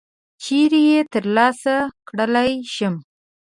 چیري یې ترلاسه کړلای شم ؟